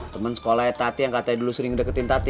temen sekolahnya tati yang katanya lo sering deketin tati